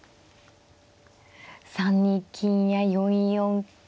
３二金や４四金。